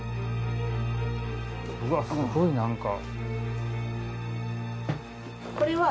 うわっすごい何か。